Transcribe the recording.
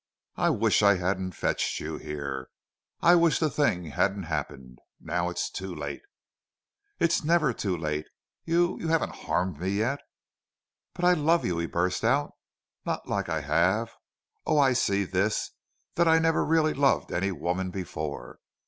"I wish I hadn't fetched you here. I wish the thing hadn't happened. Now it's too late." "It's never too late.... You you haven't harmed me yet." "But I love you," he burst out. "Not like I have. Oh! I see this that I never really loved any woman before.